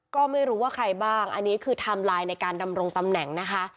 ก็ไม่รู้ว่าใครบ้างอันนี้คือไทม์ไลน์ในการดำรงตำแหน่งนะคะ